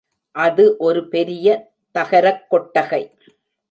அது ஒரு பெரிய தகரக் கொட்டகை.